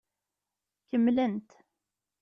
Kemmlent.